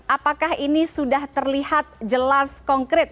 apakah ini sudah terlihat jelas konkret